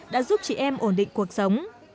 đã giúp chị em ổn định cuộc sống